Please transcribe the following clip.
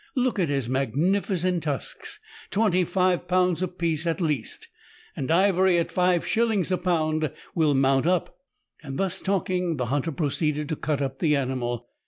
Look at his magnificent tusks ! Twenty five pounds a piece at least ! And ivory at five shillings a pound will mount up." Thus talking, the hunter proceeded to cut up the animal.